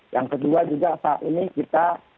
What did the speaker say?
yang kedua juga saat ini kita